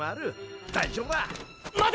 待て！